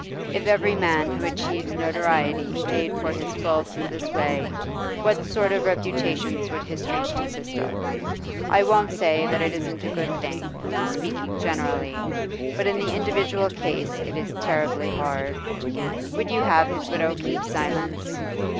If every man who achieves notoriety paid for his faults in this way, what sort of reputations would history consist of? I won't say that it isn't a good thing, speaking generally, but in the individual case it is terribly hard. Would you have his widow keep silence?